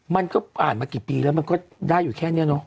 มันก็ผ่านมากี่ปีแล้วมันก็ได้อยู่แค่นี้เนาะ